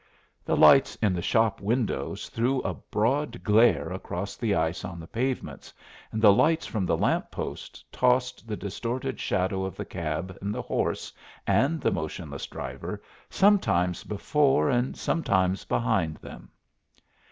The lights in the shop windows threw a broad glare across the ice on the pavements, and the lights from the lamp posts tossed the distorted shadow of the cab, and the horse, and the motionless driver, sometimes before and sometimes behind them.